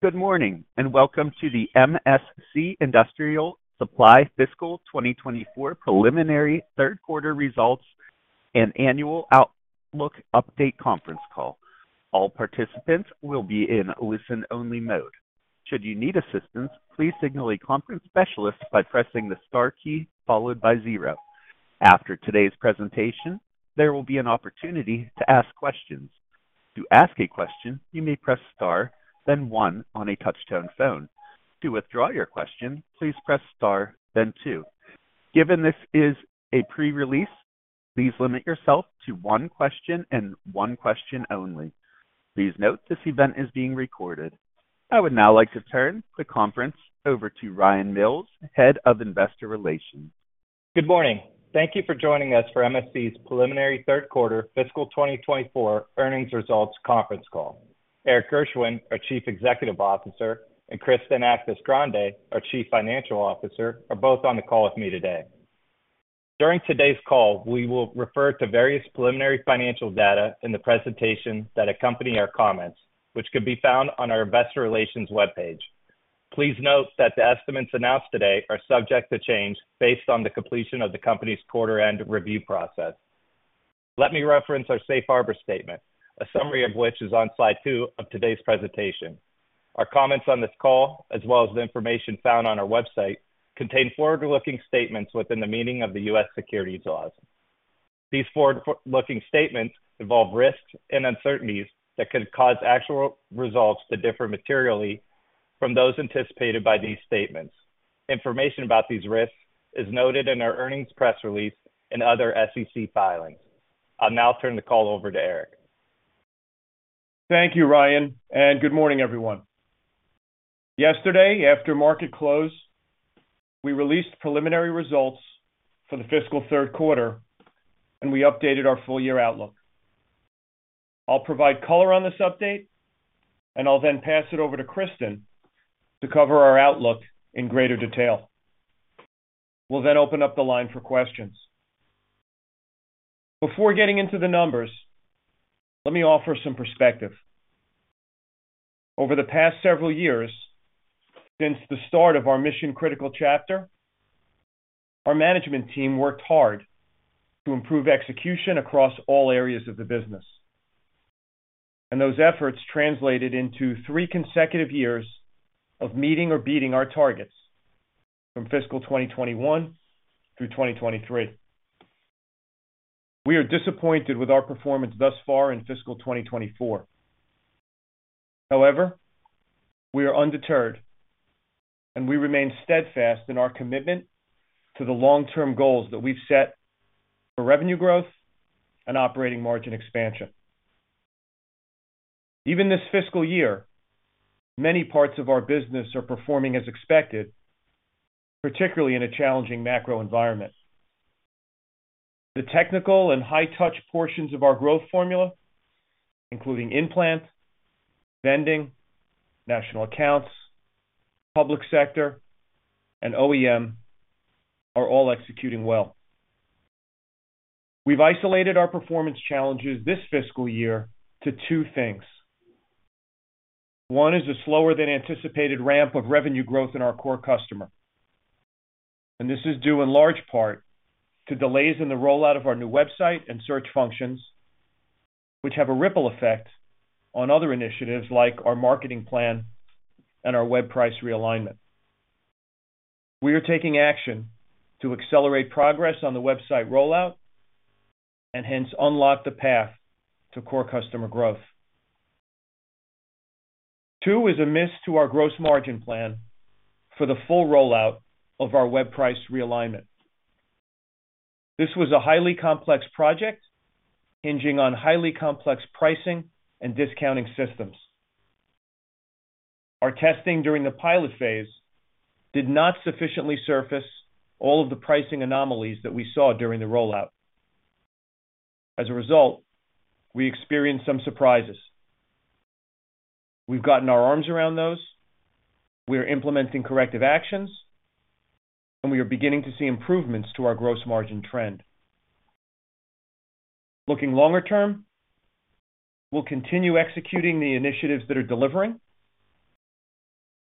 Good morning, and welcome to the MSC Industrial Supply Fiscal 2024 preliminary third quarter results and annual outlook update conference call. All participants will be in listen-only mode. Should you need assistance, please signal a conference specialist by pressing the star key followed by zero. After today's presentation, there will be an opportunity to ask questions. To ask a question, you may press star, then one on a touch-tone phone. To withdraw your question, please press star, then two. Given this is a pre-release, please limit yourself to one question and one question only. Please note, this event is being recorded. I would now like to turn the conference over to Ryan Mills, Head of Investor Relations. Good morning. Thank you for joining us for MSC's preliminary third quarter fiscal 2024 earnings results conference call. Erik Gershwind, our Chief Executive Officer, and Kristen Actis-Grande, our Chief Financial Officer, are both on the call with me today. During today's call, we will refer to various preliminary financial data in the presentation that accompany our comments, which could be found on our investor relations webpage. Please note that the estimates announced today are subject to change based on the completion of the company's quarter-end review process. Let me reference our Safe Harbor statement, a summary of which is on slide 2 of today's presentation. Our comments on this call, as well as the information found on our website, contain forward-looking statements within the meaning of the U.S. securities laws. These forward-looking statements involve risks and uncertainties that could cause actual results to differ materially from those anticipated by these statements. Information about these risks is noted in our earnings press release and other SEC filings. I'll now turn the call over to Erik. Thank you, Ryan, and good morning, everyone. Yesterday, after market close, we released preliminary results for the fiscal third quarter, and we updated our full-year outlook. I'll provide color on this update, and I'll then pass it over to Kristen to cover our outlook in greater detail. We'll then open up the line for questions. Before getting into the numbers, let me offer some perspective. Over the past several years, since the start of our Mission-critical chapter, our management team worked hard to improve execution across all areas of the business, and those efforts translated into three consecutive years of meeting or beating our targets from fiscal 2021 through 2023. We are disappointed with our performance thus far in fiscal 2024. However, we are undeterred, and we remain steadfast in our commitment to the long-term goals that we've set for revenue growth and operating margin expansion. Even this fiscal year, many parts of our business are performing as expected, particularly in a challenging macro environment. The technical and high-touch portions of our growth formula, including in-plant, vending, national accounts, public sector, and OEM, are all executing well. We've isolated our performance challenges this fiscal year to two things. One is a slower than anticipated ramp of revenue growth in our core customer, and this is due in large part to delays in the rollout of our new website and search functions, which have a ripple effect on other initiatives like our marketing plan and our web price realignment. We are taking action to accelerate progress on the website rollout and hence unlock the path to core customer growth. Two is a miss to our gross margin plan for the full rollout of our web price realignment. This was a highly complex project, hinging on highly complex pricing and discounting systems. Our testing during the pilot phase did not sufficiently surface all of the pricing anomalies that we saw during the rollout. As a result, we experienced some surprises. We've gotten our arms around those. We are implementing corrective actions, and we are beginning to see improvements to our gross margin trend. Looking longer term, we'll continue executing the initiatives that are delivering.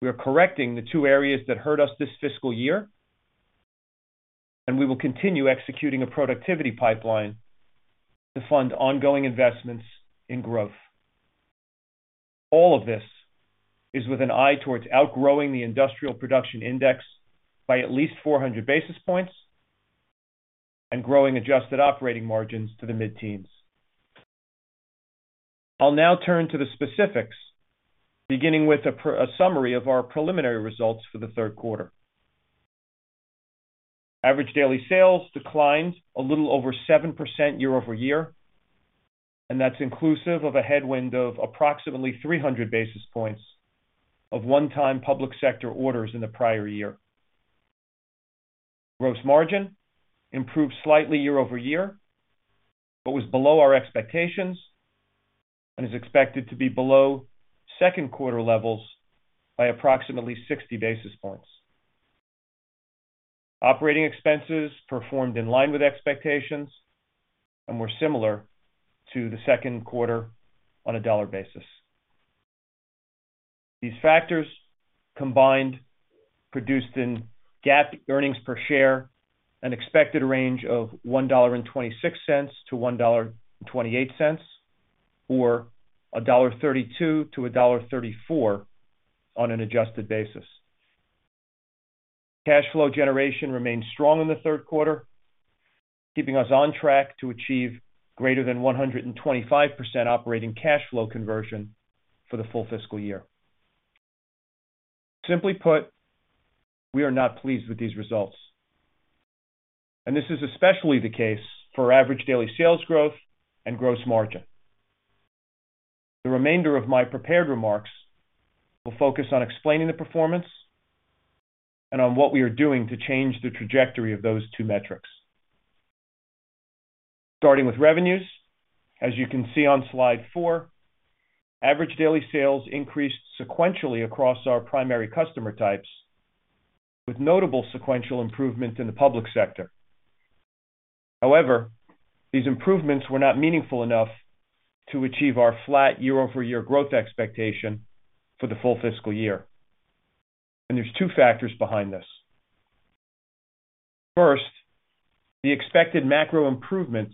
We are correcting the two areas that hurt us this fiscal year, and we will continue executing a productivity pipeline to fund ongoing investments in growth. All of this is with an eye towards outgrowing the Industrial Production Index by at least 400 basis points and growing adjusted operating margins to the mid-teens. I'll now turn to the specifics, beginning with a summary of our preliminary results for the third quarter. Average daily sales declined a little over 7% year-over-year, and that's inclusive of a headwind of approximately 300 basis points of one-time public sector orders in the prior year. Gross margin improved slightly year-over-year, but was below our expectations and is expected to be below second quarter levels by approximately 60 basis points. Operating expenses performed in line with expectations and were similar to the second quarter on a dollar basis. These factors, combined, produced in GAAP earnings per share, an expected range of $1.26-$1.28, or $1.32-$1.34 on an adjusted basis. Cash flow generation remained strong in the third quarter, keeping us on track to achieve greater than 125% operating cash flow conversion for the full fiscal year. Simply put, we are not pleased with these results, and this is especially the case for average daily sales growth and gross margin. The remainder of my prepared remarks will focus on explaining the performance and on what we are doing to change the trajectory of those two metrics. Starting with revenues, as you can see on slide 4, average daily sales increased sequentially across our primary customer types, with notable sequential improvement in the public sector. However, these improvements were not meaningful enough to achieve our flat year-over-year growth expectation for the full fiscal year. There's two factors behind this. First, the expected macro improvement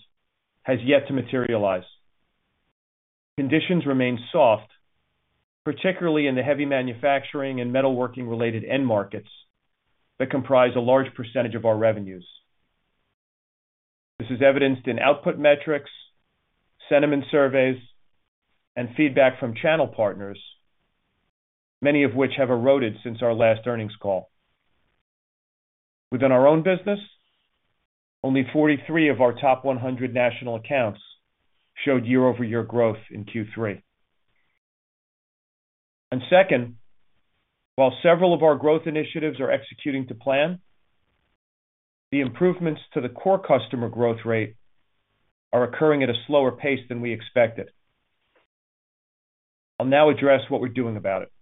has yet to materialize. Conditions remain soft, particularly in the heavy manufacturing and metalworking-related end markets, that comprise a large percentage of our revenues. This is evidenced in output metrics, sentiment surveys, and feedback from channel partners, many of which have eroded since our last earnings call. Within our own business, only 43 of our top 100 national accounts showed year-over-year growth in Q3. Second, while several of our growth initiatives are executing to plan, the improvements to the core customer growth rate are occurring at a slower pace than we expected. I'll now address what we're doing about it.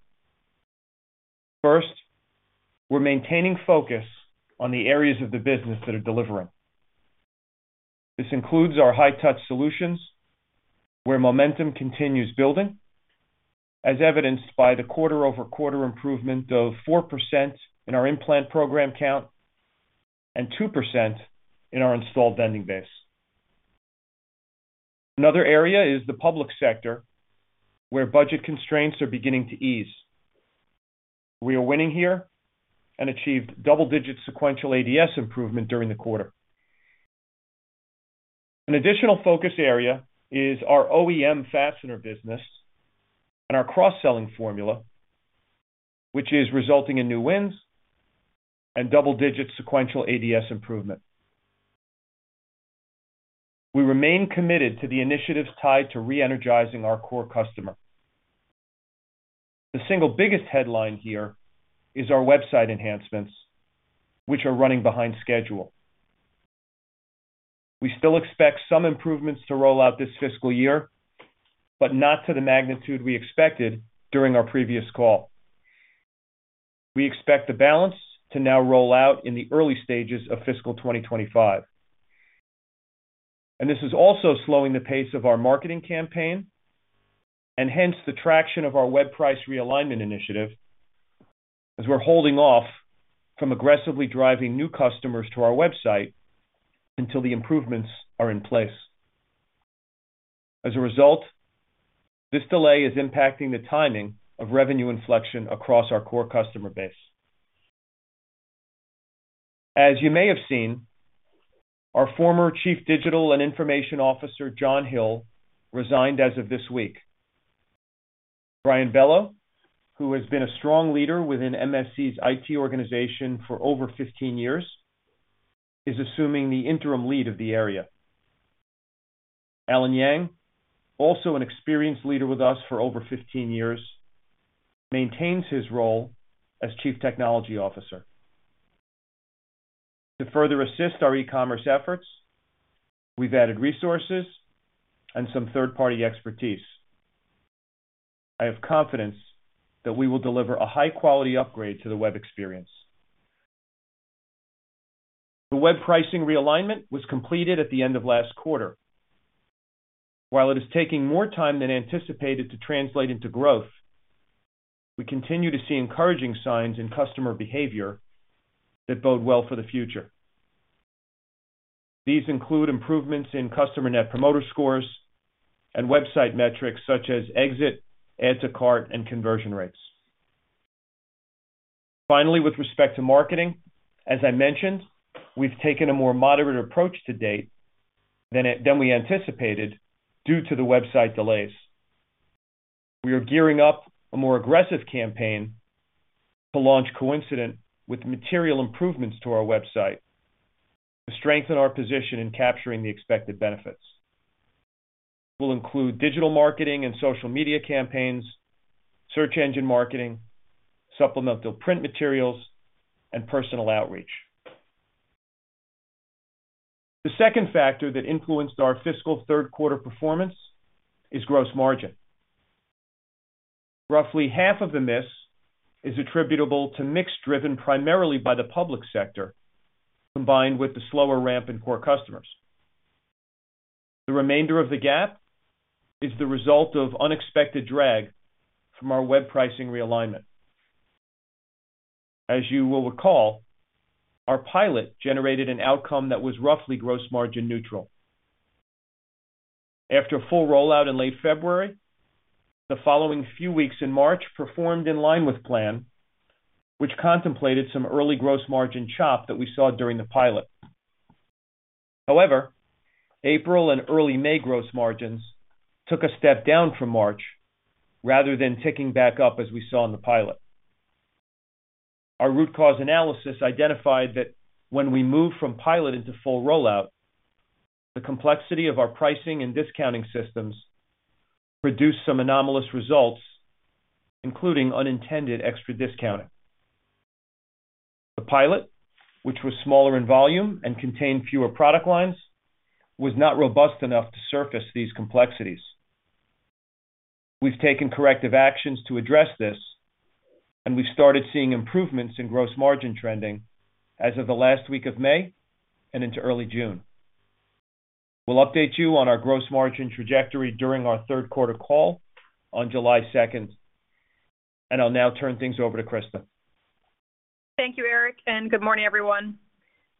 First, we're maintaining focus on the areas of the business that are delivering. This includes our high-touch solutions, where momentum continues building, as evidenced by the quarter-over-quarter improvement of 4% in our in-plant program count and 2% in our installed vending base. Another area is the public sector, where budget constraints are beginning to ease. We are winning here and achieved double-digit sequential ADS improvement during the quarter. An additional focus area is our OEM fastener business and our cross-selling formula, which is resulting in new wins and double-digit sequential ADS improvement. We remain committed to the initiatives tied to reenergizing our core customer. The single biggest headline here is our website enhancements, which are running behind schedule. We still expect some improvements to roll out this fiscal year, but not to the magnitude we expected during our previous call. We expect the balance to now roll out in the early stages of fiscal 2025. This is also slowing the pace of our marketing campaign and hence the traction of our web price realignment initiative, as we're holding off from aggressively driving new customers to our website until the improvements are in place. As a result, this delay is impacting the timing of revenue inflection across our core customer base. As you may have seen, our former Chief Digital and Information Officer, John Hill, resigned as of this week. Brian Bello, who has been a strong leader within MSC's IT organization for over 15 years, is assuming the interim lead of the area. Alan Yang, also an experienced leader with us for over 15 years, maintains his role as Chief Technology Officer. To further assist our e-commerce efforts, we've added resources and some third-party expertise. I have confidence that we will deliver a high-quality upgrade to the web experience. The web pricing realignment was completed at the end of last quarter. While it is taking more time than anticipated to translate into growth, we continue to see encouraging signs in customer behavior that bode well for the future. These include improvements in customer Net Promoter Scores and website metrics such as exit, add to cart, and conversion rates. Finally, with respect to marketing, as I mentioned, we've taken a more moderate approach to date than we anticipated due to the website delays. We are gearing up a more aggressive campaign to launch coincident with material improvements to our website to strengthen our position in capturing the expected benefits. We'll include digital marketing and social media campaigns, search engine marketing, supplemental print materials, and personal outreach. The second factor that influenced our fiscal third quarter performance is gross margin. Roughly half of the miss is attributable to mix driven primarily by the public sector, combined with the slower ramp in core customers. The remainder of the gap is the result of unexpected drag from our web pricing realignment. As you will recall, our pilot generated an outcome that was roughly gross margin neutral. After a full rollout in late February, the following few weeks in March performed in line with plan, which contemplated some early gross margin chop that we saw during the pilot. However, April and early May gross margins took a step down from March rather than ticking back up as we saw in the pilot. Our root cause analysis identified that when we moved from pilot into full rollout, the complexity of our pricing and discounting systems produced some anomalous results, including unintended extra discounting. The pilot, which was smaller in volume and contained fewer product lines, was not robust enough to surface these complexities. We've taken corrective actions to address this, and we've started seeing improvements in gross margin trending as of the last week of May and into early June. We'll update you on our gross margin trajectory during our third quarter call on July 2nd, and I'll now turn things over to Kristen. Thank you, Erik, and good morning, everyone.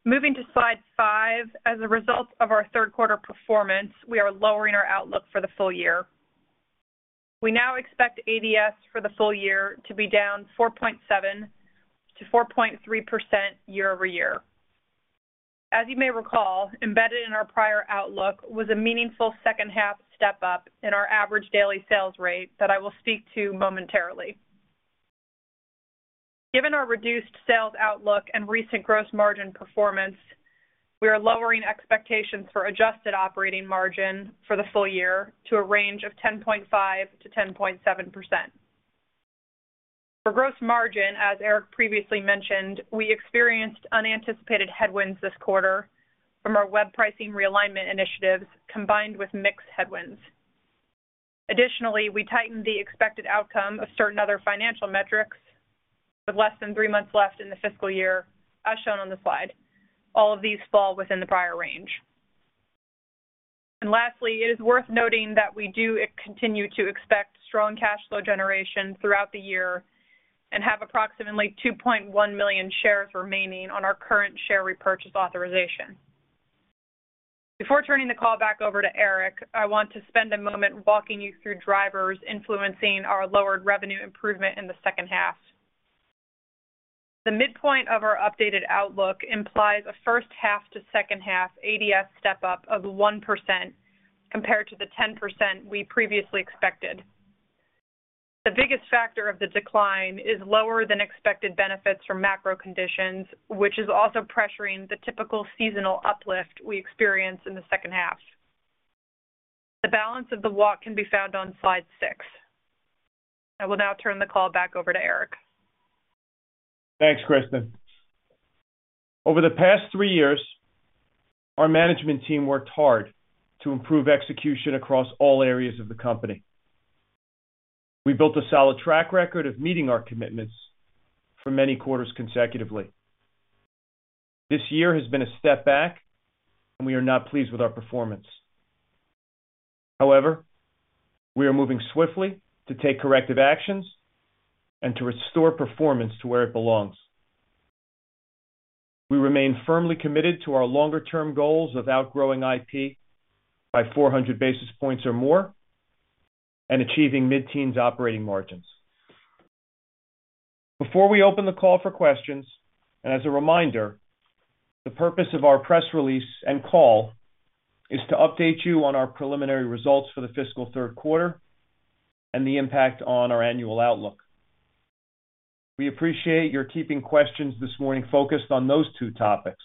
Moving to Slide 5. As a result of our third quarter performance, we are lowering our outlook for the full year. We now expect ADS for the full year to be down 4.7%-4.3% year-over-year. As you may recall, embedded in our prior outlook was a meaningful second half step up in our average daily sales rate that I will speak to momentarily. Given our reduced sales outlook and recent gross margin performance, we are lowering expectations for adjusted operating margin for the full year to a range of 10.5%-10.7%. For gross margin, as Erik previously mentioned, we experienced unanticipated headwinds this quarter from our web pricing realignment initiatives, combined with mixed headwinds. Additionally, we tightened the expected outcome of certain other financial metrics with less than three months left in the fiscal year, as shown on the slide. All of these fall within the prior range. Lastly, it is worth noting that we do continue to expect strong cash flow generation throughout the year and have approximately 2.1 million shares remaining on our current share repurchase authorization. Before turning the call back over to Erik, I want to spend a moment walking you through drivers influencing our lowered revenue improvement in the second half. The midpoint of our updated outlook implies a first half to second half ADS step up of 1% compared to the 10% we previously expected. The biggest factor of the decline is lower than expected benefits from macro conditions, which is also pressuring the typical seasonal uplift we experience in the second half. The balance of the walk can be found on slide 6. I will now turn the call back over to Erik. Thanks, Kristen. Over the past three years, our management team worked hard to improve execution across all areas of the company. We built a solid track record of meeting our commitments for many quarters consecutively. This year has been a step back, and we are not pleased with our performance. However, we are moving swiftly to take corrective actions and to restore performance to where it belongs. We remain firmly committed to our longer term goals of outgrowing IP by 400 basis points or more and achieving mid-teens operating margins. Before we open the call for questions, and as a reminder, the purpose of our press release and call is to update you on our preliminary results for the fiscal third quarter and the impact on our annual outlook. We appreciate your keeping questions this morning focused on those two topics,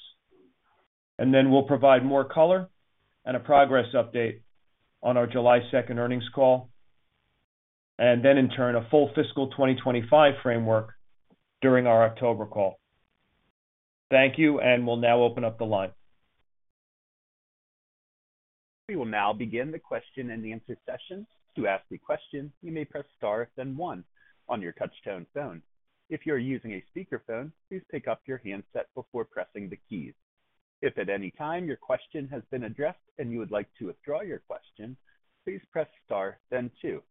and then we'll provide more color and a progress update on our July 2nd earnings call, and then in turn, a full fiscal 2025 framework during our October call. Thank you, and we'll now open up the line. We will now begin the question and answer session. To ask a question, you may press star, then one on your touch-tone phone. If you are using a speakerphone, please pick up your handset before pressing the keys. If at any time your question has been addressed and you would like to withdraw your question, please press star then two.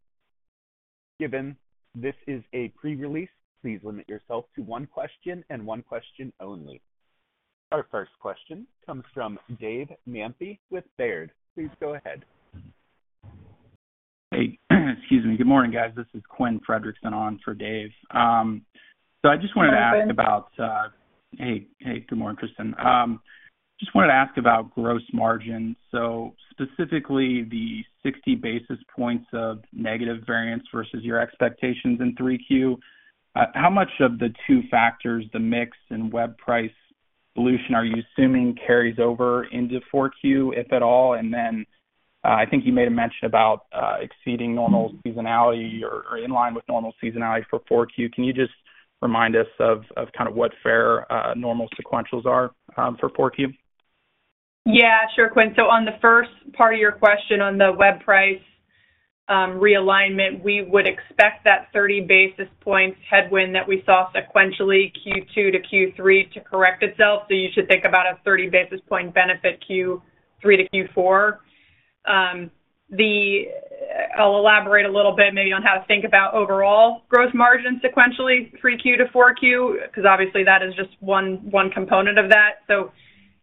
Given this is a pre-release, please limit yourself to one question and one question only. Our first question comes from Dave Manthey with Baird. Please go ahead. Hey, excuse me. Good morning, guys. This is Quinn Fredrickson on for Dave. So I just wanted to ask about- Good morning. Hey. Hey, good morning, Kristen. Just wanted to ask about gross margin. So specifically, the 60 basis points of negative variance versus your expectations in 3Q. How much of the two factors, the mix and web price solution, are you assuming carries over into 4Q, if at all? I think you made a mention about exceeding normal seasonality or in line with normal seasonality for 4Q. Can you just remind us of kind of what fair normal sequentials are for 4Q? Yeah, sure, Quinn. So on the first part of your question, on the web price realignment, we would expect that 30 basis points headwind that we saw sequentially Q2 to Q3, to correct itself. So you should think about a 30 basis point benefit Q3 to Q4. I'll elaborate a little bit maybe on how to think about overall gross margin sequentially, Q3 to Q4, because obviously, that is just one component of that. So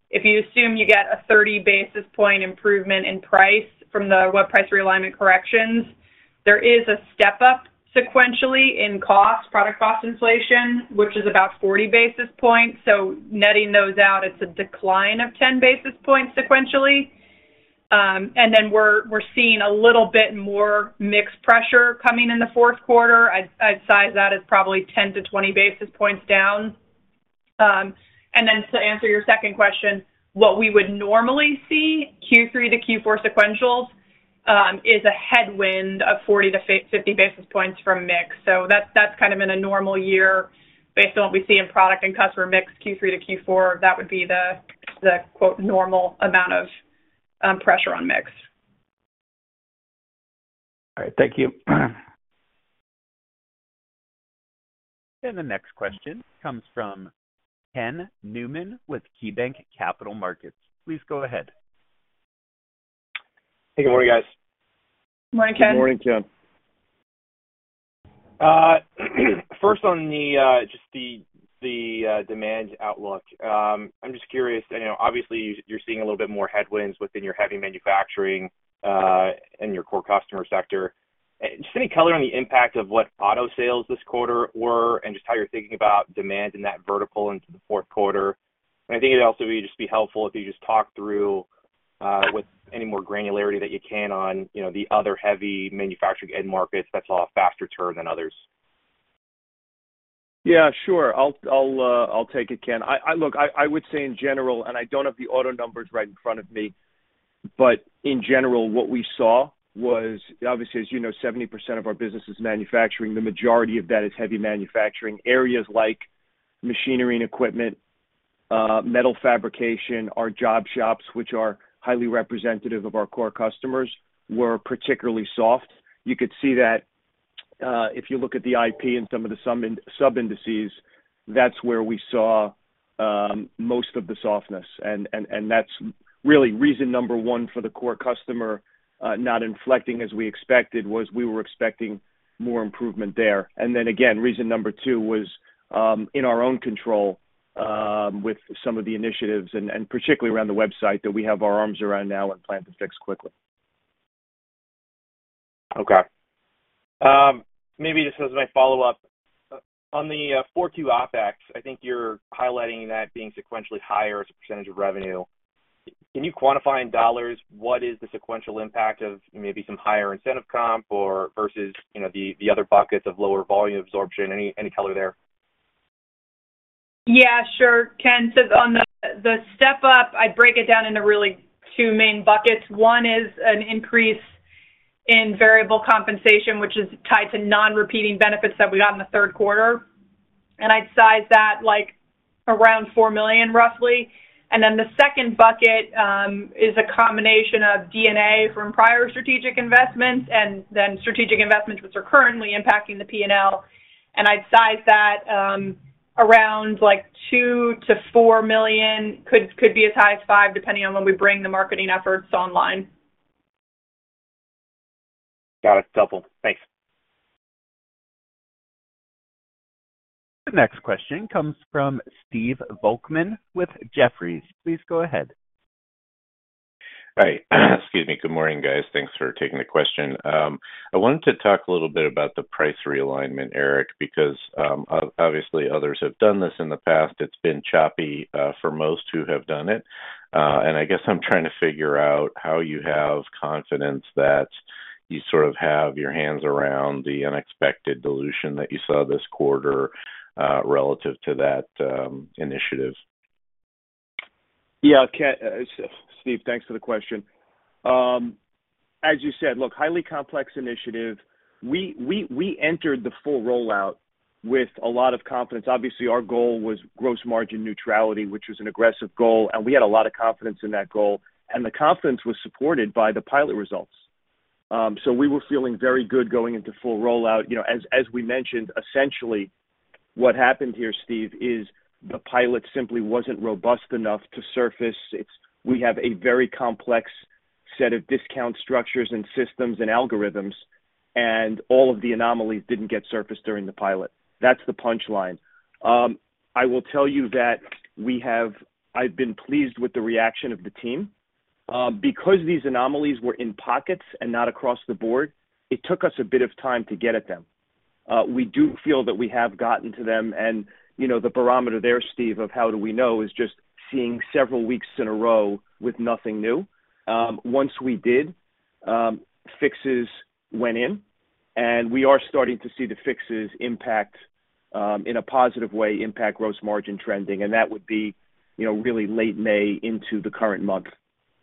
if you assume you get a 30 basis point improvement in price from the web price realignment corrections, there is a step up sequentially in cost, product cost inflation, which is about 40 basis points. So netting those out, it's a decline of 10 basis points sequentially. And then we're seeing a little bit more mix pressure coming in the fourth quarter. I'd size that as probably 10-20 basis points down. And then to answer your second question, what we would normally see Q3 to Q4 sequentials is a headwind of 40-50 basis points from mix. So that's kind of in a normal year based on what we see in product and customer mix, Q3 to Q4, that would be the quote, "normal amount" of pressure on mix. All right. Thank you. The next question comes from Ken Newman with KeyBanc Capital Markets. Please go ahead. Hey, good morning, guys. Good morning, Ken. Good morning, Ken. First on the demand outlook. I'm just curious, you know, obviously you're seeing a little bit more headwinds within your heavy manufacturing and your core customer sector. Just any color on the impact of what auto sales this quarter were, and just how you're thinking about demand in that vertical into the fourth quarter. And I think it'd also be just helpful if you just talk through with any more granularity that you can on, you know, the other heavy manufacturing end markets that saw a faster turn than others. Yeah, sure. I'll take it, Ken. Look, I would say in general, and I don't have the auto numbers right in front of me, but in general, what we saw was obviously, as you know, 70% of our business is manufacturing. The majority of that is heavy manufacturing. Areas like machinery and equipment, metal fabrication, our job shops, which are highly representative of our core customers, were particularly soft. You could see that if you look at the IP and some of the sub indices, that's where we saw most of the softness. And that's really reason number one for the core customer not inflecting as we expected, was we were expecting more improvement there. And then again, reason number two was, in our own control, with some of the initiatives and particularly around the website, that we have our arms around now and plan to fix quickly. Okay. Maybe just as my follow-up, on the 4Q OpEx, I think you're highlighting that being sequentially higher as a percentage of revenue. Can you quantify in dollars what is the sequential impact of maybe some higher incentive comp or versus, you know, the other buckets of lower volume absorption? Any color there? Yeah, sure, Ken. So on the step up, I break it down into really two main buckets. One is an increase in variable compensation, which is tied to non-repeating benefits that we got in the third quarter, and I'd size that like around $4 million, roughly. And then the second bucket is a combination of D&A from prior strategic investments and then strategic investments which are currently impacting the P&L. And I'd size that around, like, $2 million-$4 million. Could be as high as $5 million, depending on when we bring the marketing efforts online. Got it. Helpful. Thanks. The next question comes from Steve Volkmann with Jefferies. Please go ahead. Hi. Excuse me. Good morning, guys. Thanks for taking the question. I wanted to talk a little bit about the price realignment, Erik, because, obviously others have done this in the past. It's been choppy, for most who have done it. I guess I'm trying to figure out how you have confidence that you sort of have your hands around the unexpected dilution that you saw this quarter, relative to that, initiative. Yeah, Ken, Steve, thanks for the question. As you said, look, highly complex initiative. We entered the full rollout with a lot of confidence. Obviously, our goal was gross margin neutrality, which was an aggressive goal, and we had a lot of confidence in that goal, and the confidence was supported by the pilot results. So we were feeling very good going into full rollout. You know, as we mentioned, essentially, what happened here, Steve, is the pilot simply wasn't robust enough to surface its - we have a very complex set of discount structures and systems and algorithms, and all of the anomalies didn't get surfaced during the pilot. That's the punchline. I will tell you that we have - I've been pleased with the reaction of the team. Because these anomalies were in pockets and not across the board, it took us a bit of time to get at them. We do feel that we have gotten to them, and, you know, the barometer there, Steve, of how do we know is just seeing several weeks in a row with nothing new. Once we did, fixes went in, and we are starting to see the fixes impact, in a positive way, impact gross margin trending, and that would be, you know, really late May into the current month.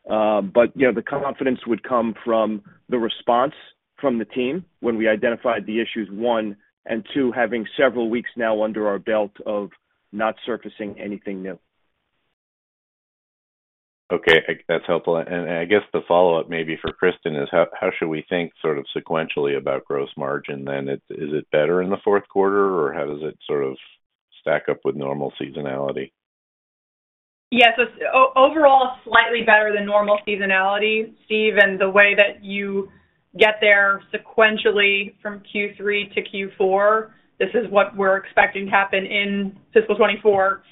But, you know, the confidence would come from the response from the team when we identified the issues, one, and two, having several weeks now under our belt of not surfacing anything new. Okay, I think that's helpful. And I guess the follow-up may be for Kristen, is how should we think sort of sequentially about gross margin then? Is it better in the fourth quarter, or how does it sort of stack up with normal seasonality? Yes, so overall, slightly better than normal seasonality, Steve, and the way that you get there sequentially from Q3 to Q4, this is what we're expecting to happen in fiscal 2024.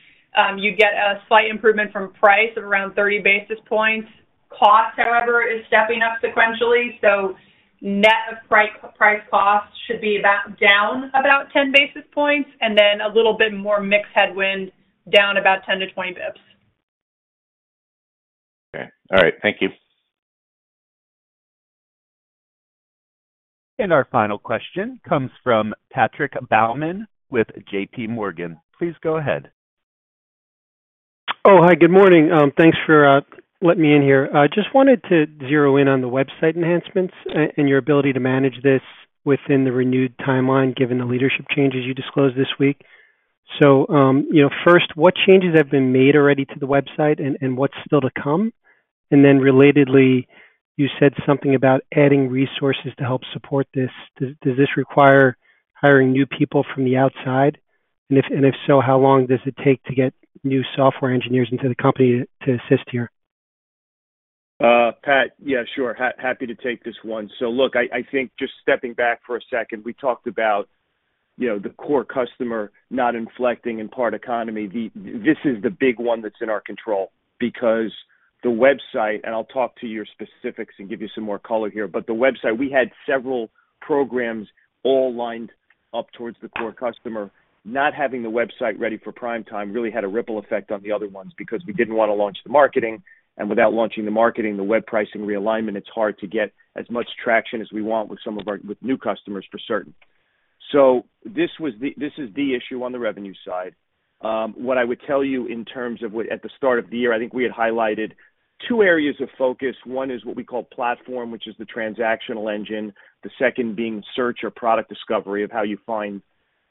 You get a slight improvement from price of around 30 basis points. Cost, however, is stepping up sequentially, so net price, price cost should be about down about 10 basis points, and then a little bit more mix headwind down about 10-20 basis points. Okay. All right. Thank you. Our final question comes from Patrick Baumann with JPMorgan. Please go ahead. Oh, hi, good morning. Thanks for letting me in here. I just wanted to zero in on the website enhancements and your ability to manage this within the renewed timeline, given the leadership changes you disclosed this week. So, you know, first, what changes have been made already to the website and what's still to come? And then relatedly, you said something about adding resources to help support this. Does this require hiring new people from the outside? And if so, how long does it take to get new software engineers into the company to assist here? Pat, yeah, sure. Happy to take this one. So look, I think just stepping back for a second, we talked about, you know, the core customer not inflecting in part economy. This is the big one that's in our control because the website, and I'll talk to your specifics and give you some more color here, but the website, we had several programs all lined up towards the core customer. Not having the website ready for prime time really had a ripple effect on the other ones because we didn't want to launch the marketing, and without launching the marketing, the web pricing realignment, it's hard to get as much traction as we want with some of our new customers, for certain. So this is the issue on the revenue side. What I would tell you in terms of what, at the start of the year, I think we had highlighted two areas of focus. One is what we call platform, which is the transactional engine, the second being search or product discovery of how you find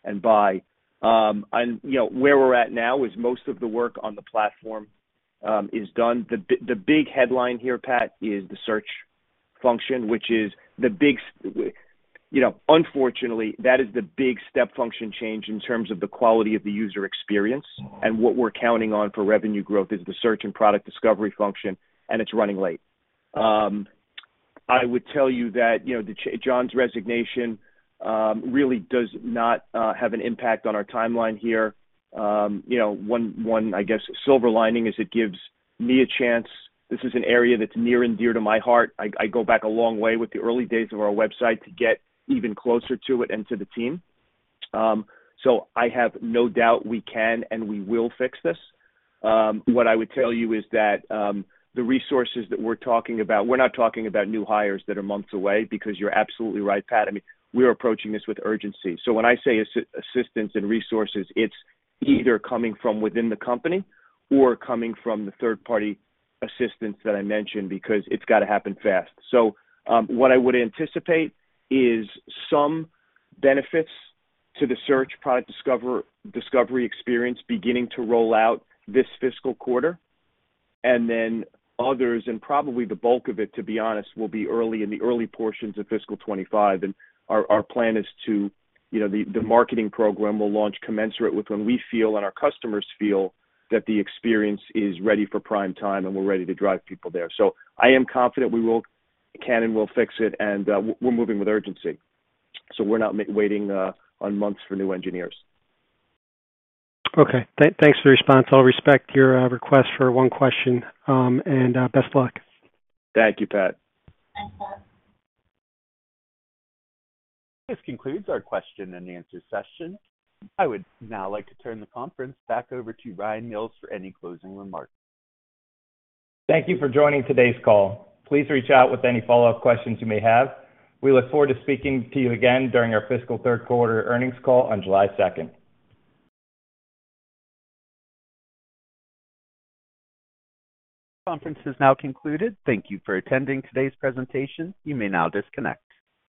and buy. And, you know, where we're at now is most of the work on the platform is done. The big headline here, Pat, is the search function, which is the big... You know, unfortunately, that is the big step function change in terms of the quality of the user experience. And what we're counting on for revenue growth is the search and product discovery function, and it's running late. I would tell you that, you know, John's resignation really does not have an impact on our timeline here. You know, one silver lining is it gives me a chance. This is an area that's near and dear to my heart. I go back a long way with the early days of our website to get even closer to it and to the team. So I have no doubt we can, and we will fix this. What I would tell you is that the resources that we're talking about, we're not talking about new hires that are months away, because you're absolutely right, Pat. I mean, we're approaching this with urgency. So when I say assistance and resources, it's either coming from within the company or coming from the third-party assistance that I mentioned, because it's got to happen fast. So, what I would anticipate is some benefits to the search product discovery experience beginning to roll out this fiscal quarter, and then others, and probably the bulk of it, to be honest, will be early in the early portions of fiscal 2025. And our plan is to, you know, the marketing program will launch commensurate with when we feel, and our customers feel, that the experience is ready for prime time, and we're ready to drive people there. So I am confident we will, can and will fix it, and we're moving with urgency. So we're not waiting on months for new engineers. Okay. Thanks for the response. I'll respect your request for one question, and best luck. Thank you, Pat. Thanks, Pat. This concludes our question and answer session. I would now like to turn the conference back over to Ryan Mills for any closing remarks. Thank you for joining today's call. Please reach out with any follow-up questions you may have. We look forward to speaking to you again during our fiscal third-quarter earnings call on July 2nd. Conference is now concluded. Thank you for attending today's presentation. You may now disconnect.